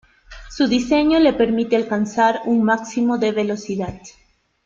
Su diseño le permite alcanzar un máximo de velocidad.